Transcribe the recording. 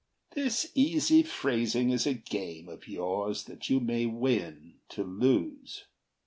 HAMILTON This easy phrasing is a game of yours That you may win to lose.